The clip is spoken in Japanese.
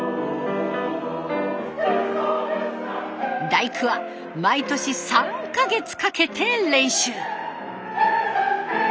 「第九」は毎年３か月かけて練習。